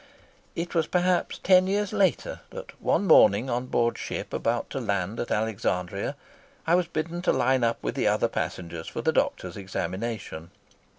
It was perhaps ten years later that one morning on board ship, about to land at Alexandria, I was bidden to line up with the other passengers for the doctor's examination.